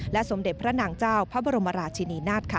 สมเด็จพระนางเจ้าพระบรมราชินีนาฏค่ะ